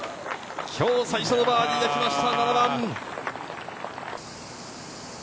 今日、最初のバーディーが来ました。